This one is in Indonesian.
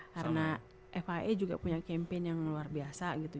karena fia juga punya campaign yang luar biasa gitu